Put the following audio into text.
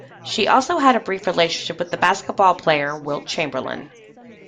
She also had a brief relationship with basketball player Wilt Chamberlain.